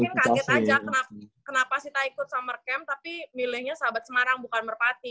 mungkin kaget aja kenapa sih tak ikut summer camp tapi milihnya sahabat semarang bukan merpati